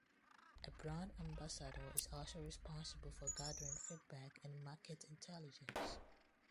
A brand ambassador is also responsible for gathering feedback and market intelligence.